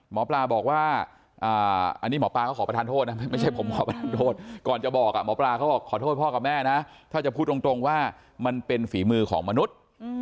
หมอปลาบอกว่าอันนี้หมอปลาก็ขอประทานโทษนะไม่ใช่ผมขอประทานโทษก่อนจะบอกหมอปลาเขาบอกขอโทษพ่อกับแม่นะถ้าจะพูดตรงว่ามันเป็นฝีมือของมนุษย์